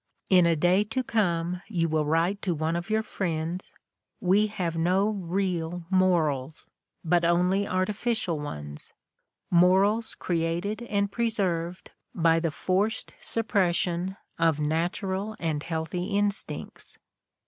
In a day to come you will write to one of your friends, "We have no real morals, but only artificial ones — morals created and preserved by the forced suppression of natural and healthy in stincts."